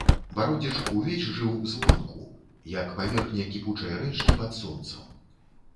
Бародзіч увесь жыў звонку, як паверхня кіпучай рэчкі пад сонцам.